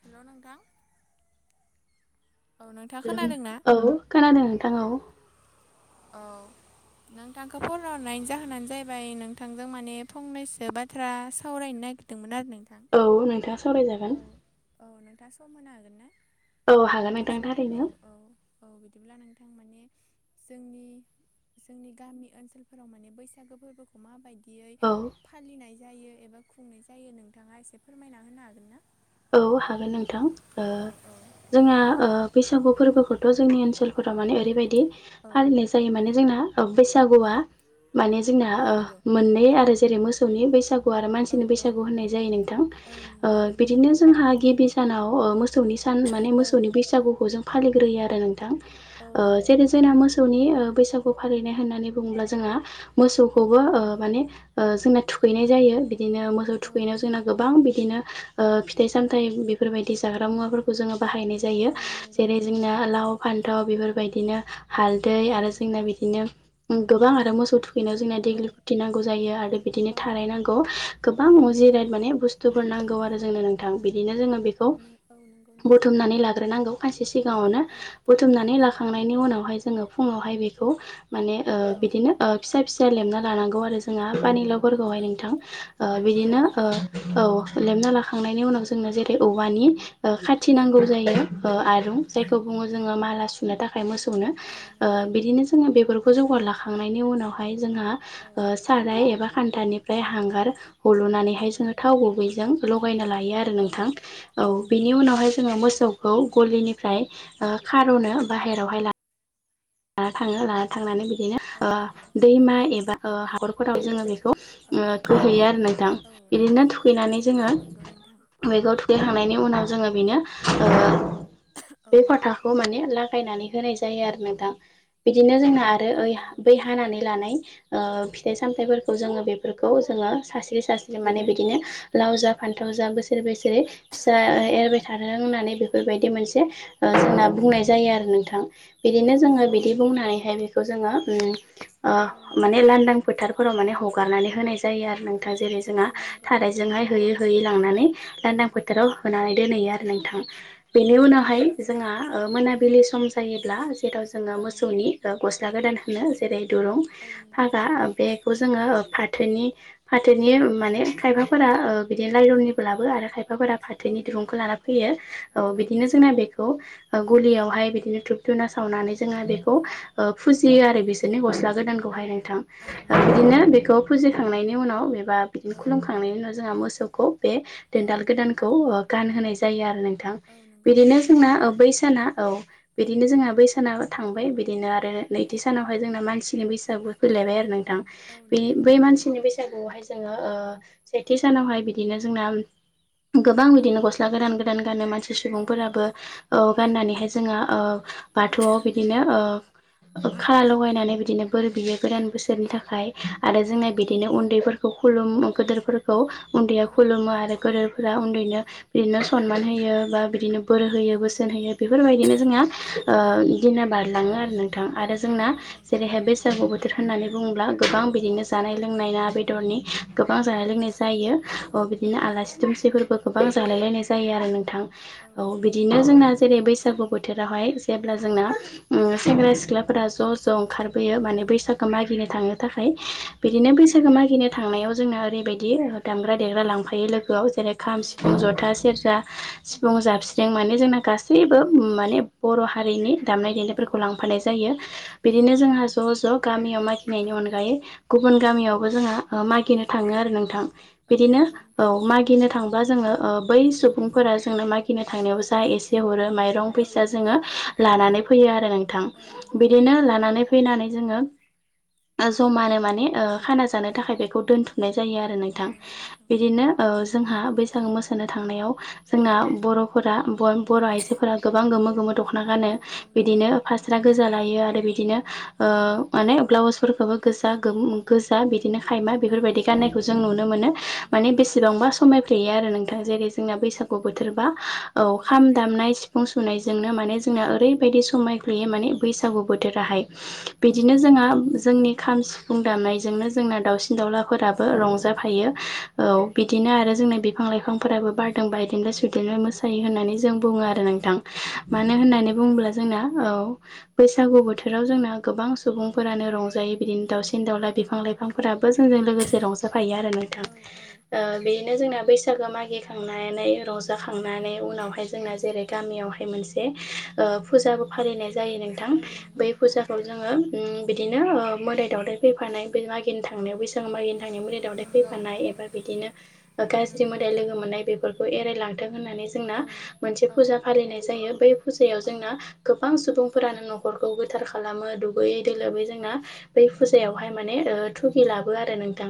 Hello नोंथां औ नोंथाङा हेलौ खोनादों ना? औ खोनादों नोंथां औ औ नोंथांखौ फन हनायनि जाहोनानो जाहैबाय नोंथांजों माने फंनैसो बाथ्रा सावरायनो नागिर दोंमोन आरो नोंथां औ नोंथां सा औ औ नोंथाङा सम होनो हागोन ना औ हागोन नोंथां दसे औ थारैनो औ औ बिदिब्ला नोंथां माने जोंनि जोंनि गामि ओनसोलफोराव माने बैसागो फोरबोखौ माबायदि बियै औ फालिनाय जायो एबा खुंनाय जायो नोंथाङा एसे फोरमायना होनो हागोन ना? औ हागोन नोंथां ओ औ औ जोंहा बैसागु फोरबोखौथ' जोंनि ओनसोलफोराव माने ओरैबायदि औ औ फालिनाय जायो। जायो मान जोंना बैसागु माने जोंना औ नंगौ मोननै आरो जेरै मोसौ सौनि बैसागु औ औ होननाय जायो नोंथां औ ओ नंगौ नंगौ बिदिनो जोंहा गिबि सानाव मोसौनि सान माने औ मोसौनि बैसागुखौ जों फालिग्रोयो आरो नोंथां औ नंगौ जेरै जोंना मोसौनि बैसागु फालिनाय होननानै बुङोब्ला जोंहा मोसौखौबो औ माने जोंना थुखैनाय जायो बिदिनो मोसौ औ थुखैनायाव जोंना गोबां बिदिनो फिथाइ सामथाय औ बेफोरबायदि जाग्रा मुवाफोरखौ जोङो बाहायनाय जायो औ नंगौ जेरै नंगौ जोंना लाव फान्थाव बेफोरबायदिनो हालदै औ आरो जोंना बिदिनो गोबां आरो मोसौ थु खैनो जोंना औ औ देग्लि फुथि नांगौ जायो आरो बिदिनो औ थाराय नंगौ नांगौ गोबां औ जिराय माने बुस थुबुरनांगौ आरो जोंनो नोंथां बिदिनो जोङो बेखौ नों औ नंगौ नोंथां बुथुमनानै लाग्रोनांगौ खायसे सिगाङावनो औ औ बुथुमनानै नंगौ लाखांनायनि उनावहाय जोङो फुङावहाय बेखौ माने ओ औ बिदिनो ओ फिसा फिसा लेमना लानांगौ आरो जोंहा पानिलाउ फोरखौहाय औ नोंथां ओ औ बिदिनो नंगौ ओ औ लेमना लाखांनाय नि उनाव जोंनो जेरै औवानि ओ खाथि औ नांगौ जायो ओ औ जायखौ बुङो जोङो माला सुनो थाखाय मोसौनो औ ओ नंगौ बिदिनो जोङो बेफोरखौ जौगार लाखांनायनि उनावहाय जोंहा औ ओ साराय एबा खान्थानिफ्राय हांगार हल'नानैहाय औ जोङो थाव नंगौ गुबैजों लगायना ला यो आरो औ नोंथां औ नंगौ बेनि नोंथां उनावहाय जोङो थारैनो मोसौ खौ गलिनिफ्राय ओ खार'नो बाहेरावहाय ला लाना थाङो औ लाना थांनानै बिदिनो औ ओ नंगौ दैमा एबा हाखरफोराव जोङो बेखौ औ थुखैहैयो आरो नोंथां औ बिदिनो थुखैनानै औ जोङो नंगौ नोंथां बेखौ थुखैखांनायनि उनाव जोङो बेनो ओ औ बे नंगौ फोथाखौ माने ला लागायनानै होनाय जायो आरो नोंथां बिदिनो जोंना आरो औ ओइ नंगौ बै नोंगौ हानानै लानाय ओ फिथाइ सामथफोरखौ जोङो बेफोरखौ जोङो सास्रि सास्रि औ माने बिदिनो नंगौ लाव जा फान्थाव जा बोसोरै बोसोरै फिसा औ एरबाय था थों होननानै बेफोरबायदि मोनसे जोंना बुंनाय जायो आरो नोंथां औ बिदिनो जोङो नंगौ नोंथां ओमफ्रायहाय बेखौ जोङो उम अ औ नंगौ माने लांदां फोथारफोराव माने हगारनानै होनाय जायो आरो नोंथां जेरै जोंहा औ नंगौ नोंथां थारायजोंहाय होयो हैयै लांनानै औ लान्दां फोथाराव होनानै दोनहैयो आरो नोंथां औ बेनि नंगौ उनावहाय नोंथां जोंहा मोनाबिलि सम जायोब्ला जेराव जोङो औ मोसौनि गस्ला गोदान होनो जेरै दुरुं औ नंगौ फागा बेखौ जोङो फाथोनि फाथोनि माने खायफाफोरा बिदिनो लाइलननिबो लाबो आरो खायफाफोरा औ फाथोनि नंगौ दिरुंखौ लाना फैयो औ बिदिनो नंगौ जोंना नोंथां बेखौ गलियावहाय बिदिनो धुप धुना सावनानै जोङो बेखौ औ ओ फुजियो आरो बिसोरनि गस्ला गोदानखौहाय नोंथां औ नंगौ बिदिनो बेखौ फुजिखांनायनि उनाव एबा बिदिनो औ खुलुमखांनायनि उनाव जोंहा मोसौखौ बे औ देन्दाल गोदानखौ ओ गानहोनाय जायो आरो नोंथां औ नंगौ बिदिनो नोंथां जोंना थारैनो बै बैसाना औ बिदिनो जोङो बैसाना थांबाय बिदिनो आरो नैथि सानावहाय जोंना मानसिनि बैसागुो फैलायबाय आरो नोंथां औ बे नंगौ बै नोंथां मानसिनि बैसागुआवहाय जोङो सेथि सानावहाय बिदिनो जोंना गोबां औ बिदिनो गस्ला गोदान गोदान गानो मानसि औ सुबुंफोराबो नंगौ ओ औ गाननानैहाय जोंङो ओ बाथौआव औ बिदिनो ओ खाला लगायनानै बिदिनो बोर बियो गोदान बोसोरनि थाखाय आरो औ जोंना नंगौ बिदिनो उन्दैफोर खौ खुलुम गदोरफोरखौ उन्दैया औ खुलुमो आरो गदोरफोरा औ उन्दैनो नंगौ बिदिनो सनमान होयो बा बिदिनो बोर औ होयो नंगौ बोसोन होयो बेफोरबायदिनो जोंहा ओ दिना बारलाङो आरो नोंथां आरो जोंना औ नंगौ जेरैहाय नोंथां बैसागु बोथोर होननानै बुङोब्ला गोबां औ बिदिनो जानाय लोंनाय ना बेदरनि गोबां औ जालाय लोंनाय जायो अ औ बिदिनो नंगौ आलासि दुमसिफोरबो गोबां जालाय लायनाय जायो आरो नोंथां औ नंगौ बिदिनो नोंथां जोंना जेरै बैसागु बोथोरावहाय जेब्ला जोंना सेंग्रा सिख्लाफोरा ज' ज' ओंखारबोयो औ माने बैसागो मागिनो थांनो थाखाय औ बिदिनो बैसागो मागिनो थांनायाव जोंना ओरैबायदि दामग्रा देग्रा लांफायो लोगोआव जेरै खाम औ सिफुं नंगौ जथा नोंथां सेरजा औ सिफुं जाबस्रिं माने जोंना गा सैबो माने बर' हारिनि दामनाय औ देनायफोरखौ लांफानाय जायो बिदिनो नंगौ जोंहा ज' ज' गामियाव मागिनायनि अनगायै गुबुन गामियावबो जोंहा मागिनो थाङो आरो नोंथां औ बिदिनो नंगौ नोंथां औ मागिनो थां बा जोङो बै सुबुंफोरा जोंनो मागिनो थांनायाव जा एसे हरो माइरं औ फैसा जोङो लानानै फैयो आरो नोंथां औ नंगौ बिदिनो थारैनो लानानै फैनानै जोङो जमानो माने खाना जानो थाखाय बेखौ दोनथुमनाय जायो आरो नों थां नंगौ नोंथां बिदिनो औ जोंहा बैसागु मोसानो थांनायाव जोंना बर'फोरा बर' आइजोफोरा गोबां गोमो गोमो दख'ना गानो औ औ बिदिनो नंगौ फास्रा गोजा लायो आरो बिदिनो औ माने ब्लाउसफोरखौबो गोजा गो गोजा बिदिनो खायमा औ बेफोरबायदि गाननायखौ जों नुनो मोनो मान नंगौ बेसेबांबा समाय यो आरो नोंथां जेरै जोंना नंगौ बैसागु नोंथां बोथोरबा औ खाम दामनाय सि फुं सुनायजोंनो माने जोंना ओरैबायदि समायग्लैयो माने बैसागु बोथोराहाय औ बिदिनो नंगौ जोंहा जोंनि खाम सिफुं दामनायजोंनो जोंना दाावसिन दाउलाफोराबो रंजा औ फायो औ बिदिनो आरो जोंना बिफां लाइफांफोराबो बारदों बादेनबाय सुइदेेनबाय मोसायो होननानै जों बुङो आरो नोंथां औ मानो नंगौ होननानै नोंथां बुङोब्ला थारैनो जोंना बैसागु बोथोराव जोंना गोबां सुबुंफोरानो रंजायो बिदिनो दावसि न दाउला औ बिफां नंगौ लाइफांफोराबो जोंजों लोगोसे रंजाफायो आरो नोंथां औ औ बेनो जोंना बैसागो मागिखांनानै रंजाखांनानै उनावहाय औ जोंना जेरै गामियावहाय मोनसे फुजाबो फालिनाय जायो नोंथां औ नंगौ बै नोंथां फुजाखौ जोङो बिदिनो ओ मोदाय दावदाइ फैफानाय मागिनो थांनायावबोस आ मागिनो नि मुलि दावदाय नंगौ फैफानाय एबा बिदिनो गाज्रि नंगौ मोदाय नोंथां लोगो मोननाय बेफोरखौ एरायलांथों होननानै जोंना औ मोनसे औ फुजा फालिनाय जायो बै फुजायाव औ जोंना गोबां सुबुंफोरानो न'खरखौ गोथार खालामो दुगैयै दोलोबै जोंना बै औ फुजायावहाय नंगौ माने थुगि लाबो आरो नोंथां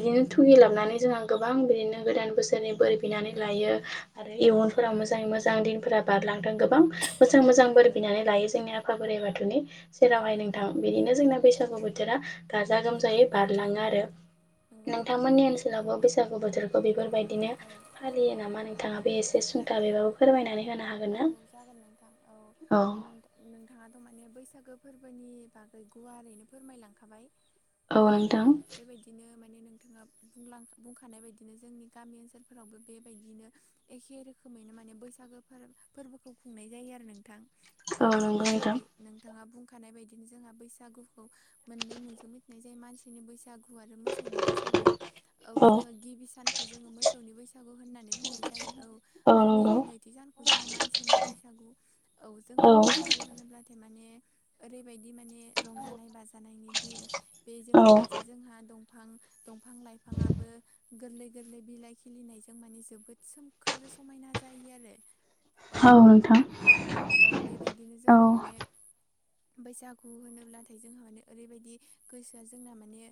नंगौ नोंथां थुगि लाबनानै जों आं गोबां बिदिनो गोदान बोसोरनि बोर बिनानै औ लायो आरो नंगौ इयुनफोरा मोजाङै मोजां दिनफोरा बारलांदों गोबां मोजां औ मोजां बोर नंगौ बिनानै लायो जोंनि आफा बोराइ बाथौनि जेरावहाय नोंथां बिदिनो जोंना बैसागु बोथोरा गाजा नंगौ गोमजायै बारलाङो आरो नंगौ नोंथां नोंथांमोननि ओनसोलावबो बैसागु बोथोर बेफोरबायदिनो औ फालियो नामा नोंथाङा बे एसे सुंथा बेबाबो फोरमायनानै होनो हागोन औ ना जागोन नोंथां औ नोंथां नोंथाङाथ' माने बैसागो फोरबोनि बागै गुवारैनो फोरमायलांखाबाय औ बेबायदि बिदिनो माने नोंथाङा बुंखानाय बायदिनो जोंनि गामि ओनसोलफोरावबो बेबायदिनो एखे रोखोमैनो माने बैसागो फोरबोखौ खुंनाय जायो आरो नोंथां औ नंगौ जोंहा नोंथां जेरै नोंथाङा बुंखानाय बायदिनो जोंहा बैसागुखौ मोननै मुंजों मिथिनाय जायो मानसिनि बैसागु आरो मोसौ मोसौनि बैसागु औ जोङो गिबि सानखौ जोङो मोसौनि बैसागु होननानै बुंनाय जायो औ आरो बेहाय नै थि जानखौ जोङो मानसिनि बैसागु औ जोंहा बैसागु होनोब्लाथाय माने ओरैबायदि माने रंजानाय बाजानायनि दिन बेजों औ लोगोसे जोंहा दंफां दंफां लाइफाङाबो गोरलै गोरलै बिलाइ खिलिनायजों माने जोबोद सोमखोर समायना जायो आरो औ औ औ बेबायदिनो औ जोंहा माने बैसागु होनोब्लाथाय जोंहा माने ओरैबायदि गोसोआ जोंना माने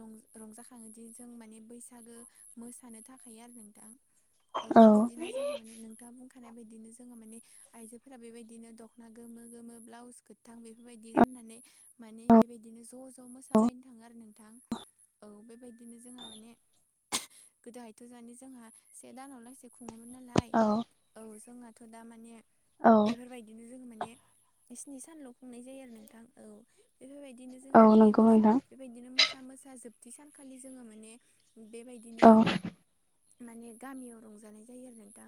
रंज रंजाखाङोदि जों माने बैसागो मोसानो थाखायायो आरो नोंथां औ बेबायदिनो जोंहा माने नोंथाङा बुं थानायानाय बायदिनो जोङो माने आइजोफोरा बेबायदिनो दख'ना गोमो गोमो ब्लाउसखौ थां बेफोरबायदि गाननानै माने बेबायदिनो ज' ज' मोसालायनो थाङो आरो नोंथां औ बेबायदि बिदिनो जोंहा माने गोदोहायथ' माने जोंहा से दानाव लाांसे खुङोमोन नालाय औ औ जोंनाथ' दा माने औ बेफोरबायदि बिनो ज मान सनि सानल'नाय जायो आरो नोंथां औ बेफोरबायदिनो औ जोङो माने म नंगौ नोंथां बेबायदिनो मोसा मोसा जोबथि सानखालि जोङो माने बेबायदिनो औ माने गामियाव रंजानाय जायो आरो नों दा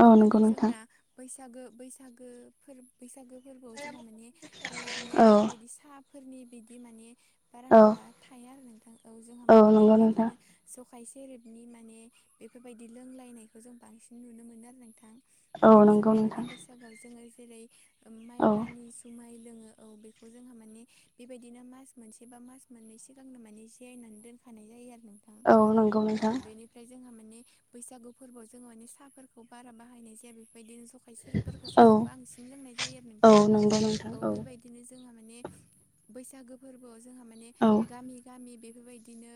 औ माने नंगौ नोंथां जोंना बैसागो बैसागो फोर बैसागो फोरबोआव जोंहा माने बेबायदिनो औ बेफोरबायदि साहाफोरनि बिदि माने बारा औ माबा थाया आरो नोंथां औ जोंहा माने नंगौ नोंथां बेफोरबायदिनो सखाय सेरेबनि माने बेफोरबायदि लोंलायनायखौ जों बांसिन नुनो मोनो आरो नोंथां। औ नंगौ जोंहा माने नोंथां बैसागोआव जोङो जेरै औ माइब्रानि जुमाय लोङो औ बेखौ जोंहा माने बेबायदिनो मास मोनसे बा मास मोननै सिगांनो माने जायनानै दोन नाय जायो आरो नोंथां औ नंगौ नोंथां औ बेनिफ्राय जोंहा माने बैसागु फोरबोआव जोो मानि साफोरखौ बेखौ बारा बाहायनाय जाया बेबायदिनो जौ आखाय सेरेबफोरखौसो औ जों बांसिन लोंनाय जायो आरो नोंथां औ नंगौ नोंथां औ बेबायदि बिदिनो जोंहा माने बसागो फोरबोआव जोंहा माने औ गामि गामि बेफोरबायदिनो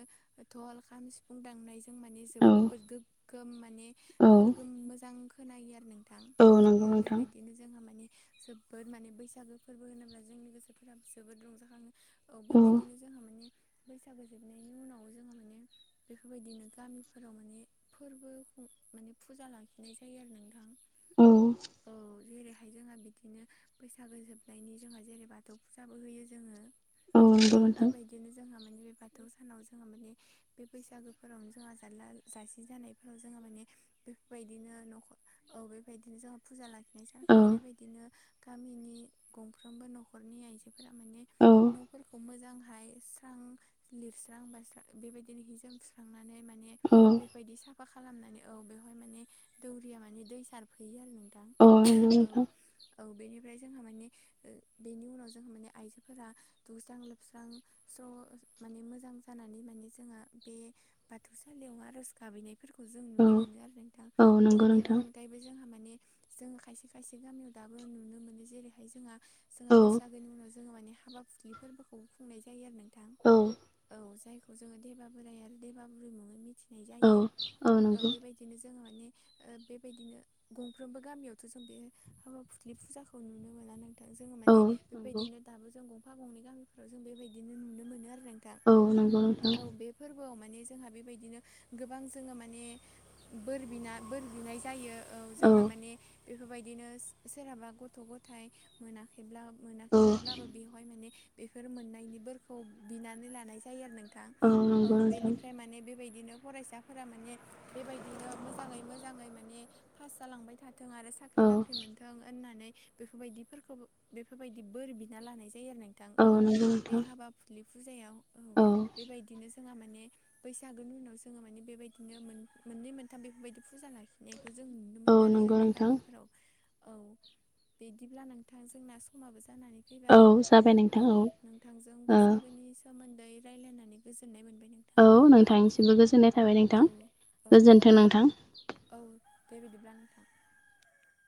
थल खाम सिफुं दांनायजों माने औ जोबोद गो गोम माने औ गोग्गोम मोजां खोनायो आरो नोंथां नंगौ औ नोंथां बेबायदिनो जोंहा मानि जोबोद माने बैसागो फोरबो होनोब्ला जोंनि गोसोफोराबो जोबोद रंजाखाङो। औ बेबायदिनो जोंहा माने बैसागो जोबनायनि उनाव जोङो माने बेफोरबायदिनो गामिफोराव माने फोरबो। माने फुजा लाखिनाय जायो आरो नोंथां औ औ जेरै फ्राय जोंहा बिदिनो बैसागो जोबनायनि जोंहा जेरै बाथौ फुजाबो होयो जोङो। नंगौ औ नोंथां बेबायदि बिदिनो जोंहा माने बे बाथौ सानाव जोंहा माने बे बैसागोफोरावनो जोंहा जाला जासि जानाय। जोङो माने बेफोरबायदिनो न'खर औ बेबायदिनो जोंहा फुजा लाखिनाय औ सानखालि बेबायदिनो गामिनि गंफ्रोमबो न'खरनि आइजोफोरा माने औ न'फोरखौ मोजांहाय रां लिरस्रां बस्रां बेबायदिनो ह जोम सुस्रांनानै माने औ बेबायदि सा मा खालामनानै औ बेवहाय माने दौरिया माने दै सार फैयो आरो नोंथां औ नंगौ औ। नोंथां औ बेनिफ्राय जोंहा माने बेनि उनाव जोंहा माने आइजोफोरा दुस्रां लोबस्रां। स्र' माने मोजां जानानै माने जोंहा बे बाथौसालियाव आर'ज गाबहनाय फोरफोरखौ जों औ नुनो मोनो आरो नोंथां औ नंगौ बेनि नोंथां अनगाय दायबो जोंहा माने जोङो खायसे खायसे गामियाव दाबो नुनो मोनो जेरैहाय जोंहा जोंहा औ बैसागोनि उनाव जोङो माने हाबा फुख्रि फोरबोखौबो खुंनाय जायो आरो ना थां औ औ जायखौ जोङो देबा बोराइ आरो देबा बुरि मुङै मिथिनाय औ जायो औ नंगौ बेबायदिनो जोङो माने बेबायदिनो गंफ्रोमबो गामियावथ' जों बे हाबा फुसलि फुजाखौ नुनो मोना ना थां जोङो औ माने नंगौ बेबायदिनो दाबो जों गंफा गंनै गामिफ्राव जों बेबायदिनो नुनो मोनो आरो नों दा औ नंगौ नोंथां औ बे फोरबोआव माने जोंहा बेबायदिनो गोबां जोङो माने। बोर बिना बोर बिनाय जायो औ जोंहा माने बेफोरबायदिनो सोरहाबा गथ' गथाइ मोनाखैब्ला औ मोनाखैमोनब्लाबो बेवहाय माने बेफोर मोननायनिफोरखौ बिनानै लानाय जायो आरो नों थां औ नंगौ नोंथां बेनिफ्राय माने बेबायदिनो फरायसाफोरा माने बेबायदिनो मोजाङै मोजाङै माने पास जालांबाय था थों आरो साख्रि औ बाख्रि मोनथों होननानै बेफोरबायदिफोरखौ बेफोरबायदि बोर बिना लानाय जायो आरो नोंथां औ नंगौ बे नोंथां हाबा। फुरलि फुजायाव औ बेबायदिनो जोंहा माने बैसागोनि उनाव जोङो माने बेबायदिनो मोननै मोनथाम बेफोरबायदि फुजा लाखिनाय जों नुनो औ मोनो आरो नंगौ जोंनि नोंथां गामिफोराव औ बिदिब्लान नोंथां जोंना समाबो जानानै औ फैबाय जाबाय नोंथां औ नोंथांजों ओ बैसागोनि सोमोन्दै रायलायनानै गोजोननाय मोनबाय नों औ नोंथांसिमबो गोजोननाय थाबाय नोंथां औ गोजोनथों नंगौ नोंथां। औ दे बिदिब्ला नोंथां।